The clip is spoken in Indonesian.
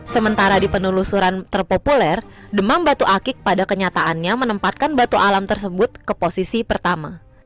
sementara di penelusuran terpopuler demam batu akik pada kenyataannya menempatkan batu alam tersebut ke posisi pertama